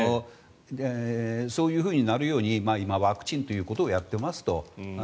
そういうふうになるように今、ワクチンということをやっていますと。